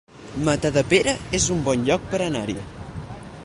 Matadepera es un bon lloc per anar-hi